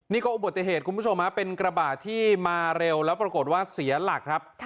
นี่ก็อุบัติเหตุคุณผู้ชมฮะเป็นกระบะที่มาเร็วแล้วปรากฏว่าเสียหลักครับ